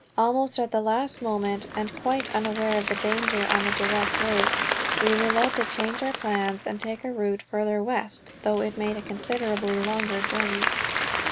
Almost at the last moment, and quite unaware of the danger on the direct route, we were led to change our plans and take a route farther west, though it made a considerably longer journey.